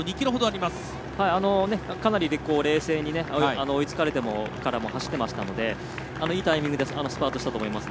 かなり冷静に追いつかれてからも走っていましたのでいいタイミングでスパートしたと思います。